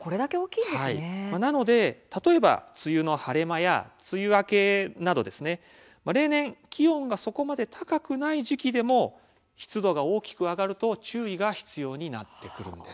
なので例えば梅雨の晴れ間や梅雨明けなど例年気温がそこまで高くない時期でも湿度が大きく上がると注意が必要になってくるんです。